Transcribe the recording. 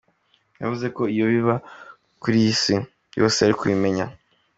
Yavuze ko iyo biba biri uko, isi yose yari kubimenya.